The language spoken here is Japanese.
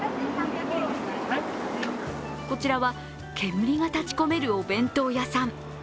こちらは、煙が立ち込めるお弁当屋さん。